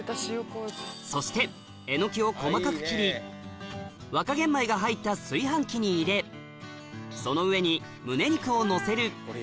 そしてえのきを細かく切り若玄米が入った炊飯器に入れその上にむね肉をのせる